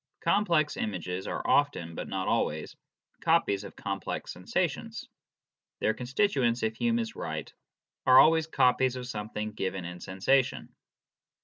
Complex images are often, but not always, copies of complex sensations ; 24 BERTRAND RUSSELL. their constituents, if Hume is right, are always copies of some thing given in sensation.